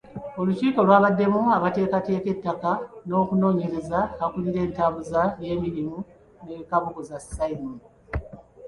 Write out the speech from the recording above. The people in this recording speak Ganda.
Olukiiko lwabaddemu abateekateeka ettaka n’okunoonyereza, akulira entambuza y’emirimu ne Kabogoza Simon.